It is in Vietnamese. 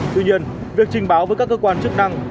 tuy nhiên việc trình báo với các cơ quan chức năng